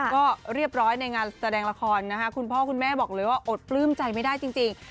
ก็เรียบร้อยในงานแสดงละครนะคะคุณพ่อคุณแม่บอกเลยว่าอดปลื้มใจไม่ได้จริง